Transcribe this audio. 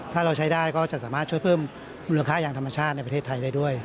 ถ้าเราใช้ได้ก็จะสามารถช่วยเพิ่มมูลค่ายางธรรมชาติในประเทศไทยได้ด้วย